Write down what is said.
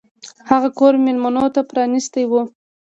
هغه کور میلمنو ته پرانیستی و.